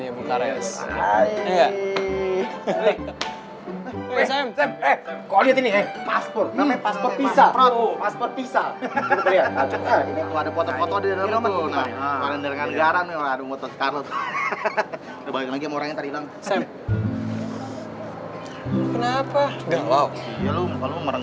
eh bangkuan men